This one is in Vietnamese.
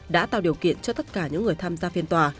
đã tạo điều kiện cho tất cả những người tham gia phiên tòa